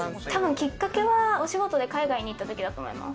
きっかけは、お仕事で海外に行った時だと思います。